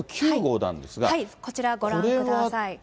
こちらご覧ください。